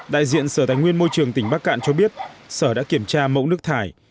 đại diện sở tài nguyên môi trường tỉnh bắc cạn cho biết sở đã kiểm tra mẫu nước thải